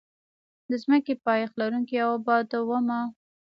د ځمکې پایښت لرونکې او بادوامه کار اخیستنه دود کړي.